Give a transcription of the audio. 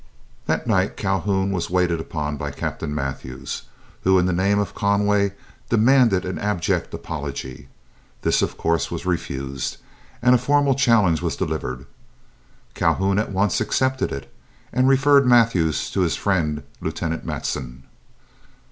That night Calhoun was waited upon by Captain Mathews, who in the name of Conway demanded an abject apology. This, of course, was refused, and a formal challenge was delivered. Calhoun at once accepted it, and referred Mathews to his friend Lieutenant Matson.